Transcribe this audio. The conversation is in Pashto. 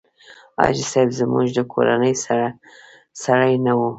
حاجي صاحب زموږ د کورنۍ سړی نه و.